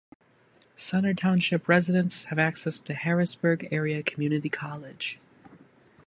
Centre Township residents have access to Harrisburg Area Community College.